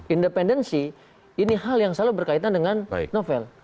independensi ini hal yang selalu berkaitan dengan novel